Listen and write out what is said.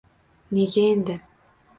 Nega endi?